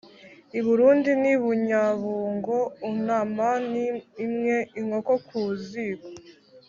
I Burundi n'i Bunyabungo unama ni imwe-Inkono ku ziko.